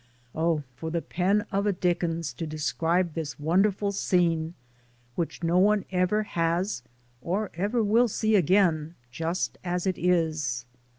Oh, for the pen of a Dickens to describe this wonderful scene, which no one ever has or ever will see again, just as it is.